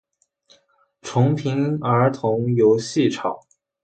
重平儿童游戏场